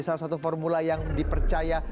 salah satu formula yang dipercaya